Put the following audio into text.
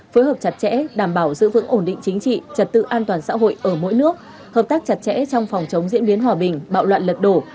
phối hợp chặt chẽ đảm bảo giữ vững ổn định chính trị trật tự an toàn xã hội ở mỗi nước hợp tác chặt chẽ trong phòng chống diễn biến hòa bình bạo loạn lật đổ